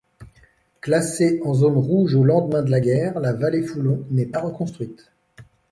Classée en zone rouge au lendemain de la guerre, La Vallée-Foulon n'est pas reconstruite.